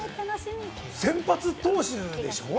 先発投手でしょ？